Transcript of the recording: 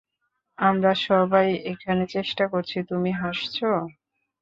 আমরা সবাই এখানে চেষ্টা করছি, তুমি হাসছো।